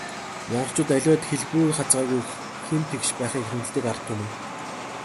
Монголчууд аливаад хэлбэрүү хазгайгүй, хэм тэгш байхыг эрхэмлэдэг ард түмэн.